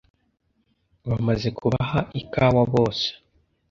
bamaze kubaha ikawa bose